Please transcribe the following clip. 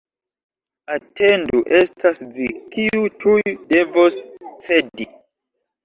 Atendu, estas vi, kiu tuj devos cedi!